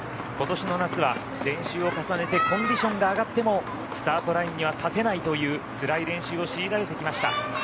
今年の夏は練習を重ねてコンディションが上がってもスタートラインには立てないというつらい練習を強いられてきました。